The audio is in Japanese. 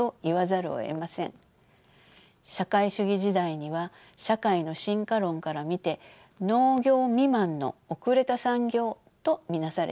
社会主義時代には社会の進化論から見て農業未満の後れた産業と見なされていました。